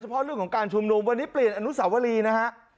เพราะเรื่องของการชุมนุมวันนี้เปลี่ยนอนุสาวรีนะฮะ